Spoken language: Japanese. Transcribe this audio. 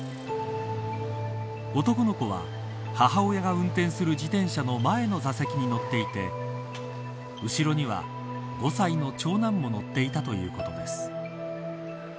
男の子は母親が運転する自転車の前の座席に乗っていて後ろには５歳の長男も乗っていたということです。